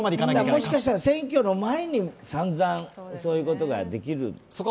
もしかしたら選挙の前にさんざんそういうことができる機会が。